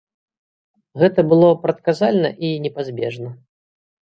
Гэта было прадказальна і непазбежна.